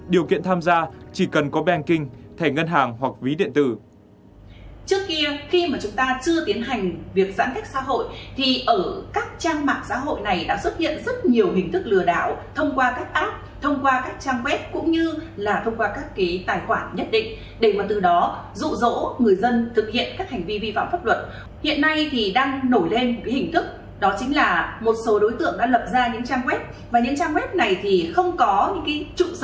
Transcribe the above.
điều kiện tham gia chỉ cần có banking thẻ ngân hàng hoặc ví điện tử